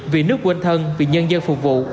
vì nước của anh thân vì nhân dân phục vụ